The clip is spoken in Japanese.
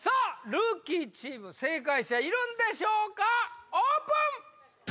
ルーキーチーム正解者いるんでしょうかオープン！